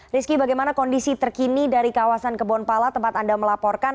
rizky bagaimana kondisi terkini dari kawasan kebonpala tempat anda melaporkan